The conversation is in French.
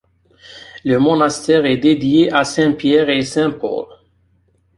Le monastère est dédié à saint Pierre et saint Paul.